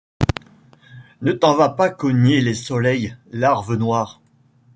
Ne t’en va pas cogner les soleils, larve noire !